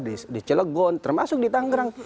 di cilegon termasuk di tanggerang